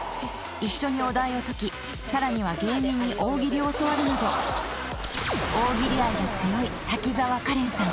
［一緒にお題を解きさらには芸人に大喜利を教わるなど大喜利愛が強い］